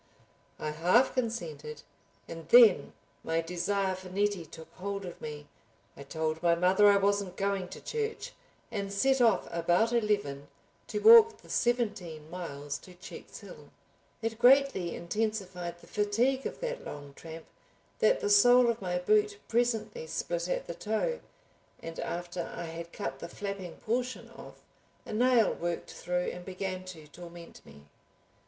I half consented, and then my desire for Nettie took hold of me. I told my mother I wasn't going to church, and set off about eleven to walk the seventeen miles to Checkshill. It greatly intensified the fatigue of that long tramp that the sole of my boot presently split at the toe, and after I had cut the flapping portion off, a nail worked through and began to torment me.